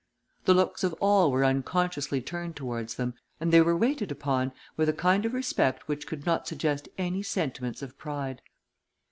The looks of all were unconsciously turned towards them, and they were waited upon with a kind of respect which could not suggest any sentiments of pride.